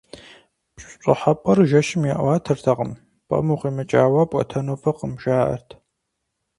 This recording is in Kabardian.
ПщӀыхьэпӀэр жэщым яӀуатэртэкъым, пӀэм укъимыкӀауэ пӀуэтэну фӀыкъым, жаӀэрт.